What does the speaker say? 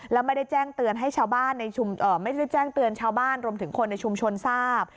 แล้วไม่ได้แจ้งเตือนชาวบ้านรวมถึงคนในชุมชนทราบ